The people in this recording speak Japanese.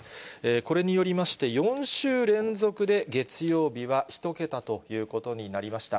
これによりまして、４週連続で月曜日は１桁ということになりました。